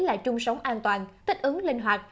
là trung sống an toàn tích ứng linh hoạt